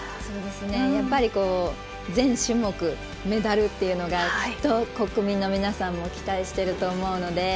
やっぱり全種目メダルというのがきっと国民の皆さんも期待していると思うので。